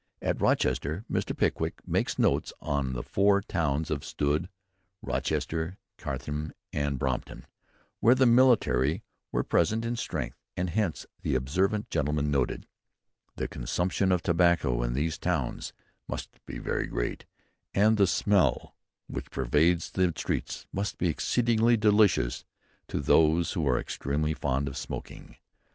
At Rochester, Mr. Pickwick makes notes on the four towns of Strood, Rochester, Chatham and Brompton, where the military were present in strength, and hence the observant gentleman noted "The consumption of tobacco in these towns must be very great: and the smell which pervades the streets must be exceedingly delicious to those who are extremely fond of smoking."